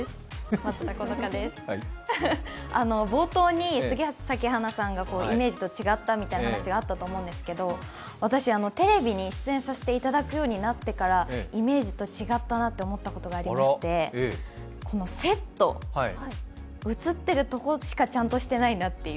冒頭に杉咲花さんがイメージと違ったみたいな話があったと思うんですけど私、テレビに出演させていただくようになってからイメージと違ったなと思ったことがありましてこのセット、映ってるところしかちゃんとしてないなっていう。